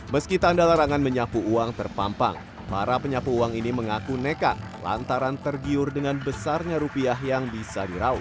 meski tanda larangan menyapu uang terpampang para penyapu uang ini mengaku nekat lantaran tergiur dengan besarnya rupiah yang bisa dirauh